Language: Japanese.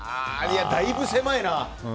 だいぶ狭いな。